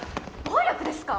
暴力ですか？